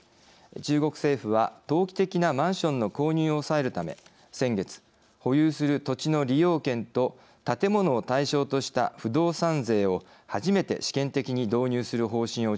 中国政府は投機的なマンションの購入を抑えるため先月保有する土地の利用権と建物を対象とした不動産税を初めて試験的に導入する方針を打ち出しました。